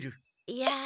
いや。